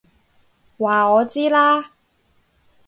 話我知啦！